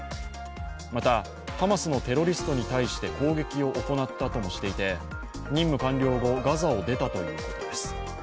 また、ハマスのテロリストに対して攻撃を行ったともしていて任務完了後、ガザを出たということです。